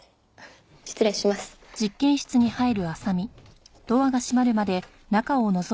失礼します。